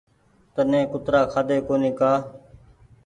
تني ڪترآ کآۮي ڪونيٚ ڪآ